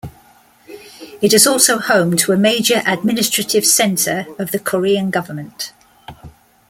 It is also home to a major administrative center of the Korean government.